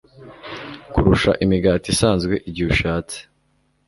kurusha imigati isanzwe. Igihe ushatse